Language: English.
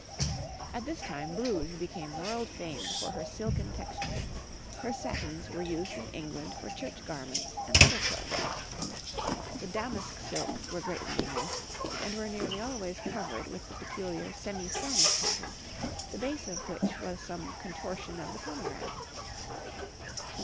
[Illustration: {A woman of the time of Henry VII.}] At this time Bruges became world famed for her silken texture; her satins were used in England for church garments and other clothes. The damask silks were greatly in use, and were nearly always covered with the peculiar semi Spanish pattern, the base of which was some contortion of the pomegranate.